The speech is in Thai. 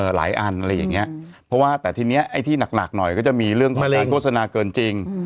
หลายอันอะไรอย่างนี้เพราะว่าแต่ทีนี้ไอ้ที่หนักหน่อยก็จะมีเรื่องการโฆษณาเกินจริง